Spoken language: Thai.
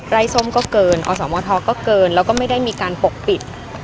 ส้มก็เกินอสมทก็เกินแล้วก็ไม่ได้มีการปกปิด